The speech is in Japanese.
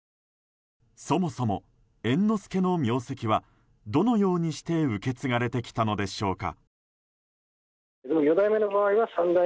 そもそも、猿之助の名跡はどのようにして受け継がれてきたのでしょうか。